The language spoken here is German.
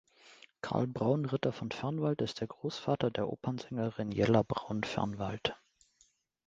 Carl Braun Ritter von Fernwald ist der Großvater der Opernsängerin Jella Braun-Fernwald.